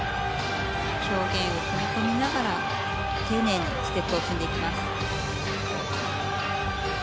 表現を組み込みながら丁寧にステップを踏んでいきます。